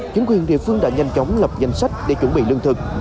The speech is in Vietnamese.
chính quyền địa phương đã nhanh chóng lập danh sách để chuẩn bị lương thực